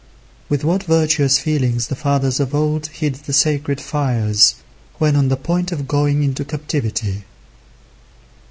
With what virtuous feelings the fathers of old hid the sacred fires when on the point of going into captivity.